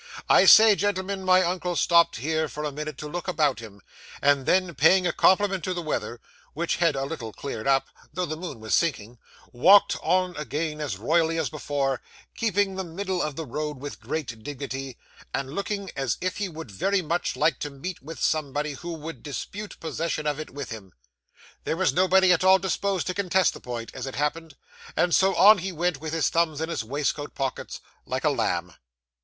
I say, gentlemen, my uncle stopped here, for a minute, to look about him; and then, paying a compliment to the weather, which had a little cleared up, though the moon was sinking, walked on again, as royally as before; keeping the middle of the road with great dignity, and looking as if he would very much like to meet with somebody who would dispute possession of it with him. There was nobody at all disposed to contest the point, as it happened; and so, on he went, with his thumbs in his waistcoat pockets, like a lamb.